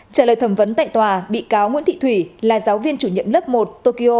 trả lời thẩm vấn tại tòa bị cáo nguyễn thị thủy là giáo viên chủ nhiệm lớp một tokyo